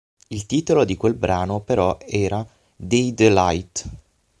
Il titolo di quel brano però era "Day De Light".